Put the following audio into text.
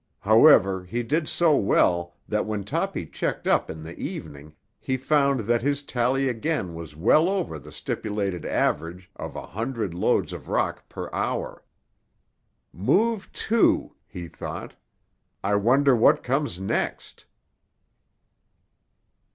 However, he did so well that when Toppy checked up in the evening he found that his tally again was well over the stipulated average of a hundred loads of rock per hour. "Move two," he thought. "I wonder what comes next?"